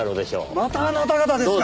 またあなた方ですか。